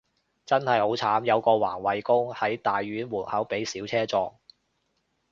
真係好慘，有個環衛工，喺大院門口被小車撞